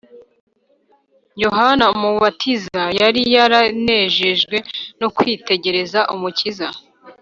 yohana umubatiza yari yaranejejwe no kwitegereza umukiza